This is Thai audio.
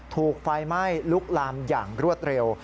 ถูกไฟไหม้ลุกลามอย่างรวดเร็ว